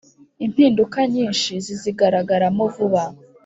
impinduka nyinshi zizigaragaramo vuba